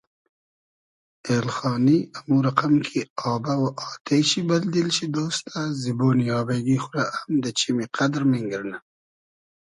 اېلخانی امو رئقئم کی آبۂ و آتې شی دۂ بئل دیل شی دۉستۂ زیبۉنی آبݷ گی خو رۂ ام دۂ چیمی قئدر مینگیرنۂ